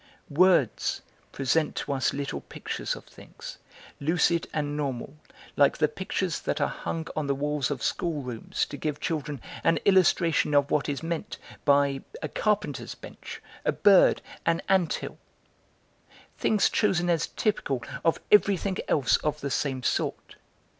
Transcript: Words present to us little pictures of things, lucid and normal, like the pictures that are hung on the walls of schoolrooms to give children an illustration of what is meant by a carpenter's bench, a bird, an ant hill; things chosen as typical of everything else of the same sort.